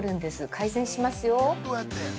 改善しますよ。